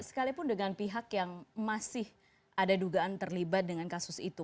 sekalipun dengan pihak yang masih ada dugaan terlibat dengan kasus itu